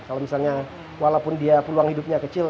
kalau misalnya walaupun dia peluang hidupnya kecil